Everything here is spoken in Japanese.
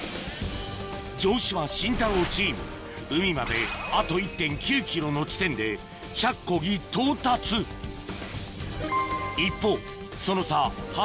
城島・シンタローチーム海まであと１．９ｋｍの地点で１００コギ到達一方その差